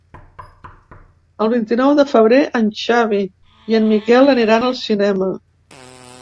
El vint-i-nou de febrer en Xavi i en Miquel aniran al cinema.